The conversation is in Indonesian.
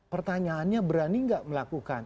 pertanyaannya berani gak melakukan